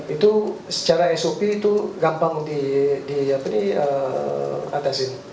itu secara sop itu gampang diatasi